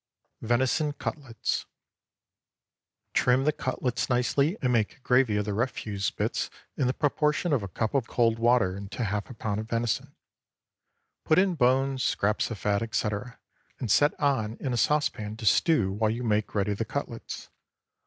VENISON CUTLETS. ✠ Trim the cutlets nicely, and make gravy of the refuse bits in the proportion of a cup of cold water to half a pound of venison. Put in bones, scraps of fat, etc., and set on in a saucepan to stew while you make ready the cutlets.